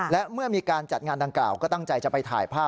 และเมื่อมีการจัดงานดังกล่าวก็ตั้งใจจะไปถ่ายภาพ